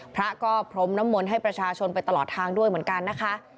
พระก็พรมน้ำมนต์ให้ประชาชนไปตลอดทางด้วยเหมือนกันนะคะ